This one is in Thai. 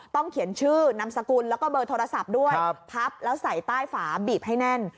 เขียนชื่อนามสกุลแล้วก็เบอร์โทรศัพท์ด้วยพับแล้วใส่ใต้ฝาบีบให้แน่น